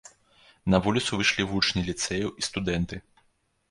На вуліцу выйшлі вучні ліцэяў і студэнты.